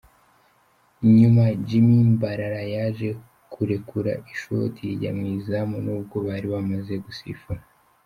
Nyuma Jimmy Mbarara yaje kurekura ishoti rijya mu izamu nubwo bari bamaze gusifura.